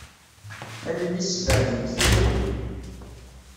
Allen-is sbeɛdent tamuɣli.